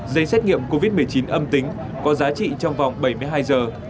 giấy xét nghiệm covid một mươi chín âm tính có giá trị trong vòng bảy mươi hai giờ